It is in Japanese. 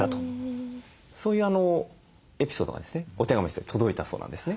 そういうエピソードがですねお手紙として届いたそうなんですね。